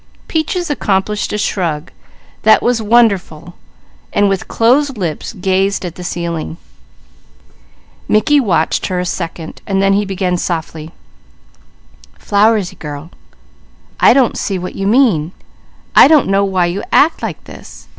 Peaches accomplished a shrug that was wonderful, and gazed at the ceiling, her lips closed. Mickey watched her a second, then he began softly: "Flowersy girl, I don't see what you mean! I don't know why you act like this!